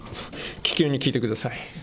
気球に聞いてください。